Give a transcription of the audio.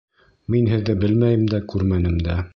Мин һеҙҙе белмәйем дә, күрмәнем дә!